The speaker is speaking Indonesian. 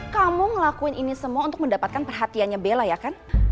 kamu ngelakuin ini semua untuk mendapatkan perhatiannya bella ya kan